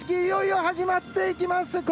いよいよ始まっていきます。